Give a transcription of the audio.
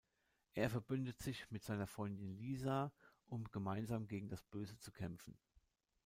Er verbündet sich mit seiner Freundin Lisa, um gemeinsam gegen das Böse zu kämpfen.